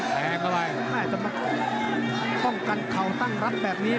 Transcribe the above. เป็นบัวไม่มีตาไปเลยวันนี้๑๒๓๑๕